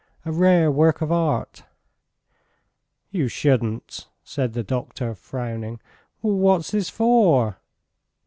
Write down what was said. ... A rare work of art." "You shouldn't!" said the doctor, frowning. "What's this for!"